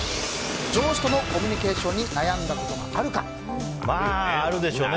上司とのコミュニケーションにまあ、あるでしょうね。